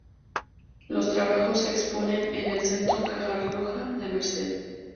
Los trabajos se exponen en el centro Caja Rioja-La Merced.